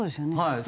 はい。